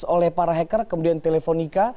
oleh para hacker kemudian teleponika